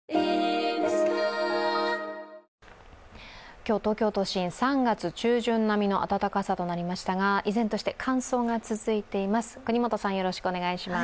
今日、東京都心、３月中旬並みの暖かさとなりましたが依然として乾燥が続いています。